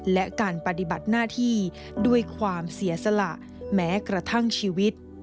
และการปฏิบัติหน้าที่ด้วยความเสียสละแม้กระทั่งชีวิต